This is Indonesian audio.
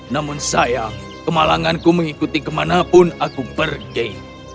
namun sayang kemalanganku mengikuti kemanapun aku pergi